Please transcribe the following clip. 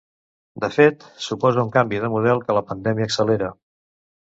De fet, suposa un canvi de model que la pandèmia accelera.